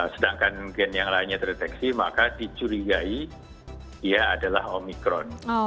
sedangkan gen yang lainnya terdeteksi maka dicurigai ia adalah omikron